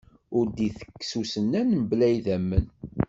Ur d-itekkes usennan mebla idammen.